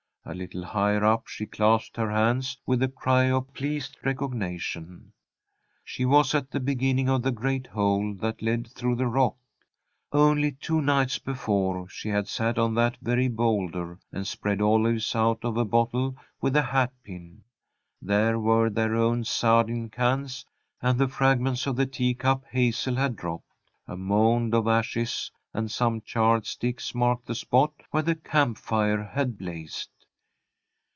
A little higher up she clasped her hands with a cry of pleased recognition. She was at the beginning of the great hole that led through the rock. Only two nights before she had sat on that very boulder, and speared olives out of a bottle with a hat pin. There were their own sardine cans, and the fragments of the teacup Hazel had dropped. A mound of ashes and some charred sticks marked the spot where the camp fire had blazed.